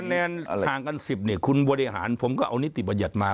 คะแนนห่างกัน๑๐เนี่ยคุณบริหารผมก็เอานิติบัญญัติมา